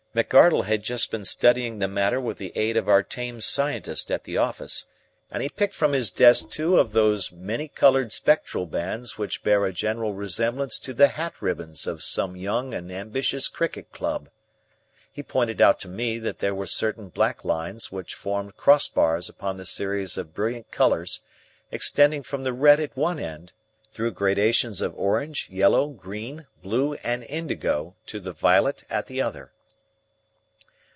McArdle had just been studying the matter with the aid of our tame scientist at the office, and he picked from his desk two of those many coloured spectral bands which bear a general resemblance to the hat ribbons of some young and ambitious cricket club. He pointed out to me that there were certain black lines which formed crossbars upon the series of brilliant colours extending from the red at one end through gradations of orange, yellow, green, blue, and indigo to the violet at the other.